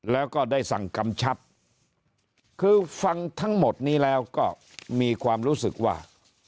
แล้วก็ได้สั่งกำชับคือฟังทั้งหมดนี้แล้วก็มีความรู้สึกว่า